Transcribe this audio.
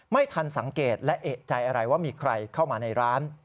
ไม่ทันสังเกตและเอกใจอะไรว่ามีใครเข้ามาในร้าน